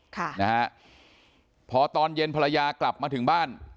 ค่ะนะฮะพอตอนเย็นภรรยากลับมาถึงบ้าน